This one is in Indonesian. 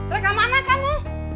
rekam anak kamu